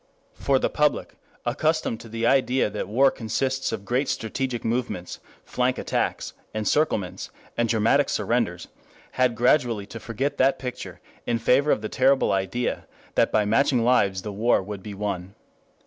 For the public, accustomed to the idea that war consists of great strategic movements, flank attacks, encirclements, and dramatic surrenders, had gradually to forget that picture in favor of the terrible idea that by matching lives the war would be won.